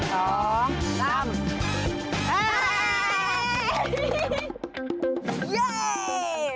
เฮ่ย